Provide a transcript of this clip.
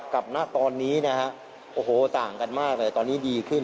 กับหน้าตอนนี้นะฮะโอ้โหต่างกันมากแต่ตอนนี้ดีขึ้น